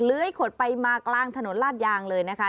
ขดไปมากลางถนนลาดยางเลยนะคะ